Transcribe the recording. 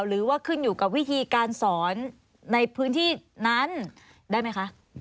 หรือว่าขึ้นอยู่กับวิธีการสอนในพื้นที่นั้นได้ไหมคะ